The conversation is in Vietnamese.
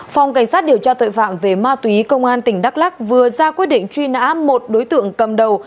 phòng cảnh sát điều tra tội phạm về ma túy công an tỉnh đắk lắc vừa ra quyết định truy nã một đối tượng cầm đầu